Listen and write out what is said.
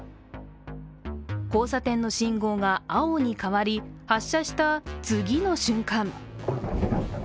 交差点の信号が青に変わり発車した次の瞬間。